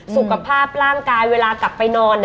สุขภาพร่างกายเวลากลับไปนอน